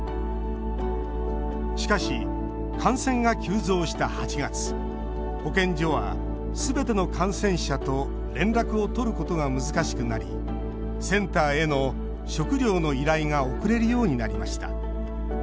しかし、感染が急増した８月保健所は、すべての感染者と連絡を取ることが難しくなりセンターへの食料の依頼が遅れるようになりました。